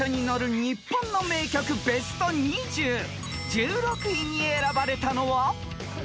［１６位に選ばれたのは］